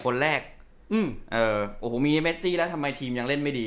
คนแรกอืมเอ่อโอ้โหมีเมซี่แล้วทำไมทีมยังเล่นไม่ดี